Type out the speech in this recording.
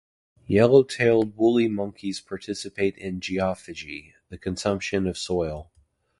Yellow-tailed woolly monkeys participate in geophagy, the consumption of soil.